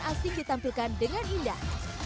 asing ditampilkan dengan indah